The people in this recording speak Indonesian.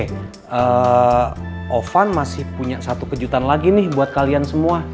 tapi ovan masih punya satu kejutan lagi nih buat kalian semua